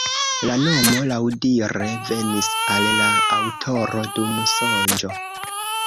La nomo laŭdire venis al la aŭtoro dum sonĝo.